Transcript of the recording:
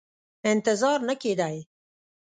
انتظار نه کېدی.